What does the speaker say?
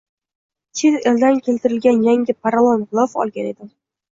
Chet eldan keltirilgan yangi parolon g‘ilof olgan edim.